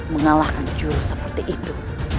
mengalahkan jurus seperti itu